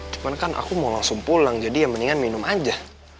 cuman kan aku mau langsung pulang jadi ya mendingan minum aja